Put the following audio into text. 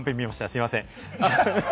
すみません。